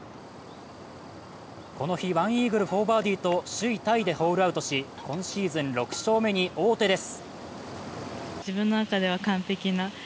この日１イーグル・４バーディーと首位タイでホールアウトし、今シーズン６勝目に王手です。